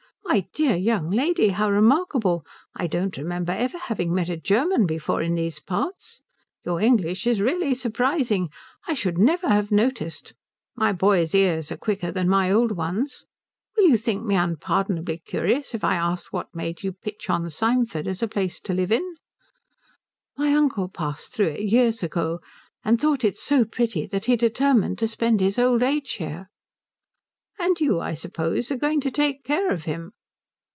"My dear young lady, how remarkable. I don't remember ever having met a German before in these parts. Your English is really surprising. I should never have noticed my boy's ears are quicker than my old ones. Will you think me unpardonably curious if I ask what made you pitch on Symford as a place to live in?" "My uncle passed through it years ago and thought it so pretty that he determined to spend his old age here." "And you, I suppose, are going to take care of him."